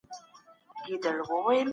په شینو ورځو کې سیروتونین زیات وي.